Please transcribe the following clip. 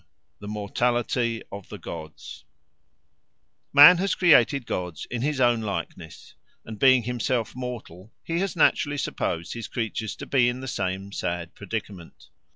The Mortality of the Gods MAN has created gods in his own likeness and being himself mortal he has naturally supposed his creatures to be in the same sad predicament.